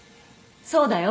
そうだよ。